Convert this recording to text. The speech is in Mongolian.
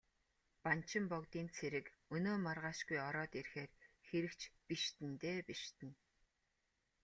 Банчин богдын цэрэг өнөө маргаашгүй ороод ирэхээр хэрэг ч бишиднэ дээ, бишиднэ.